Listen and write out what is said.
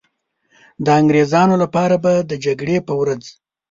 د انګریزانو لپاره به د جګړې په ورځ.